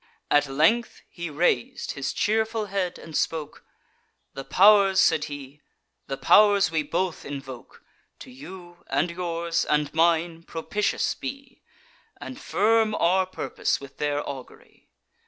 At length he rais'd his cheerful head, and spoke: "The pow'rs," said he, "the pow'rs we both invoke, To you, and yours, and mine, propitious be, And firm our purpose with their augury!